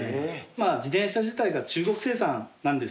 まぁ自転車自体が中国生産なんですよ。